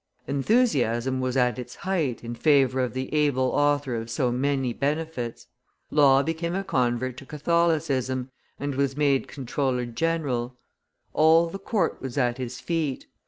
Enthusiasm was at its height in favor of the able author of so many benefits. Law became a convert to Catholicism, and was made comptroller general; all the court was at his feet.